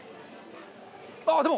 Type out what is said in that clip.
あっでも！